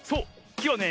きはね